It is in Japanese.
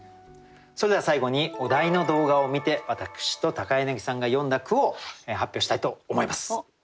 それでは最後にお題の動画を観て私と柳さんが詠んだ句を発表したいと思います。